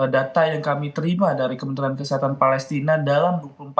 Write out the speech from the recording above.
data yang kami terima dari kementerian kesehatan palestina dalam dua puluh empat